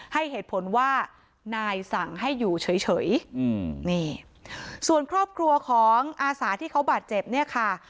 ให้เหตุผลว่านายสั่งให้อยู่เฉยเฉยอืมนี่ส่วนครอบครัวของอาสาที่เขาบาดเจ็บเนี่ยค่ะ